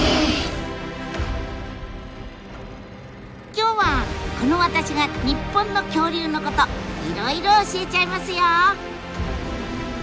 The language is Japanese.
今日はこの私が日本の恐竜のこといろいろ教えちゃいますよ。